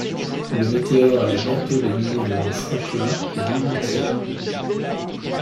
Le météore allait bientôt dominer le mont Franklin et l’île entière